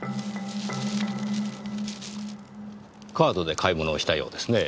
カードで買い物をしたようですねぇ。